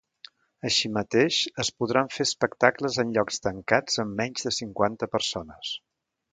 Així mateix, es podran fer espectacles en llocs tancats amb menys de cinquanta persones.